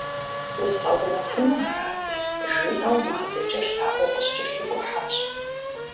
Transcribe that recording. «Узгъэунэхуну арат» жиӏэу мазэкӏэ лъаӏуэу къыскӏэлъикӏухьащ.